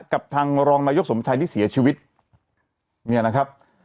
กับทางรองนายกสมชัยที่เสียชีวิตเนี่ยนะครับ